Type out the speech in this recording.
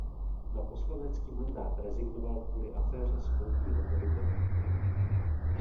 Na poslanecký mandát rezignoval kvůli aféře s koupí hotelu ve Vídni.